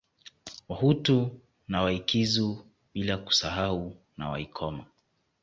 Wahutu na Waikizu bila kusahau na Waikoma